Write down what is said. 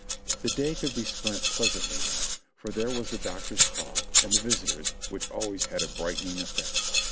The day could be spent pleasantly enough, for there was the doctor's call, and the visitors, which always had a brighten ing effect.